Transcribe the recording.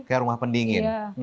kayak rumah pendingin